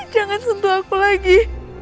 jangan sentuh aku lagi